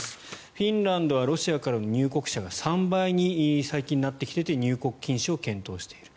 フィンランドはロシアからの入国者が３倍に最近なってきていて入国禁止を検討している。